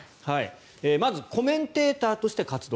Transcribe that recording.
まずコメンテーターとして活動。